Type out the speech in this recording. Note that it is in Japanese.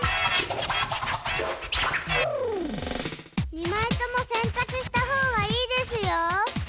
２まいとも洗濯したほうがいいですよ。